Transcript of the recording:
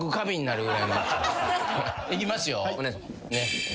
いきますよ。